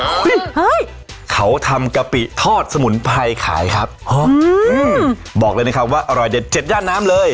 เฮ้ยเขาทำกะปิทอดสมุนไพรขายครับฮะอืมบอกเลยนะครับว่าอร่อยเด็ดเจ็ดย่านน้ำเลย